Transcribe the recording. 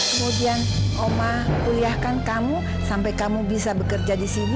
kemudian oma kuliahkan kamu sampai kamu bisa bekerja di sini